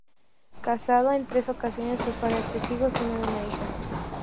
Casado en tres ocasiones, fue padre de tres hijos y de una hija.